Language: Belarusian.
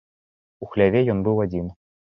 У хляве ён быў адзін.